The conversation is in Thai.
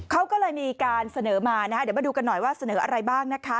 เขาก็เลยมีการเสนอมานะคะเดี๋ยวมาดูกันหน่อยว่าเสนออะไรบ้างนะคะ